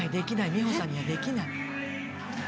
美穂さんにはできない。